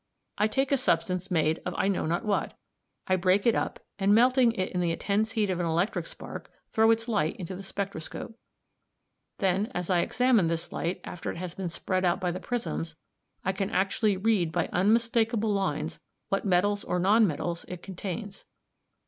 I take a substance made of I know not what; I break it up, and, melting it in the intense heat of an electric spark, throw its light into the spectroscope. Then, as I examine this light after it has been spread out by the prisms, I can actually read by unmistakable lines what metals or non metals it contains.